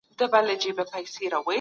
ټولنيز علوم د انساني ژوند لپاره اړين دي.